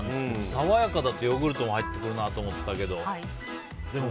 爽やかだとヨーグルトも入ってくると思ったけど。